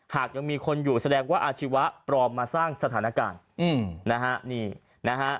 หากยังมีคนอยู่แสดงว่าอาชีวะปลอมมาสร้างสถานการณ์นะฮะนี่นะฮะ